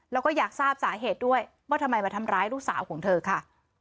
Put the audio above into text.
แล้วก็อยากทราบสาเหตุด้วยว่าทำไมมาทำร้ายลูกสาวของเธอค่ะ